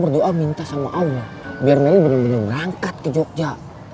doa minta sama allah biar nelly bener bener berangkat ke jogja